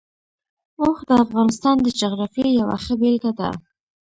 اوښ د افغانستان د جغرافیې یوه ښه بېلګه ده.